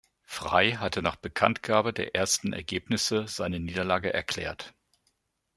Frei hatte nach Bekanntgabe der ersten Ergebnisse seine Niederlage erklärt.